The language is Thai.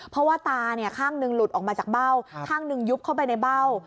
เพราะว่าตาข้างหนึ่งหลุดออกมาจากเบ้าข้างหนึ่งยุบเข้าไปในเบ้า